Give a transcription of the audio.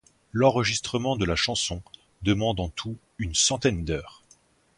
L'enregistrement de la chanson demande en tout une centaine d'heures.